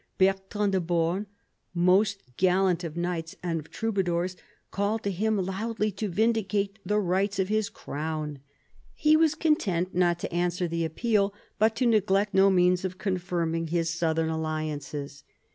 Bertrand de Born, most gallant of knights and of troubadours, called to him loudly to vindicate the rights of his crown. He was content not to answer the appeal, but to neglect no means of confirming his southern alliances.